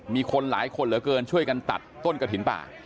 มีคนหลายคนเหลือเกินช่วยกันตัดต้นกระถิ่นป่า